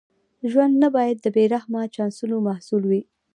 ژوند نه باید د بې رحمه چانسونو محصول وي.